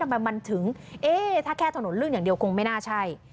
ทำไมมันถึงถ้าแค่ถนนลื่นอย่างเดียวคงไม่น่าใช่